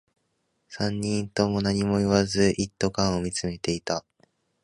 三人とも何も言わず、一斗缶を見つめていた